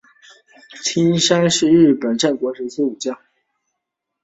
青山信昌是日本战国时代武将。